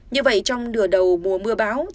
như vậy trong nửa đầu mùa mưa báo